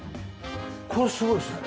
これすごいですね。